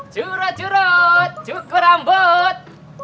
curut curut cukur rambut